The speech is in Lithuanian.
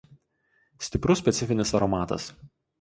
Stiprus specifinis aromatas.